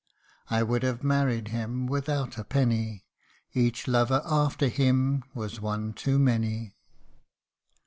I would have married him without a penny, Each lover after him was one too many